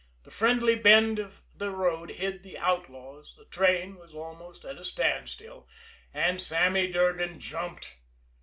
The friendly bend of the road hid the "outlaws." The train was almost at a standstill and Sammy Durgan jumped.